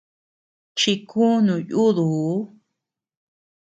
Chikunu yuduu.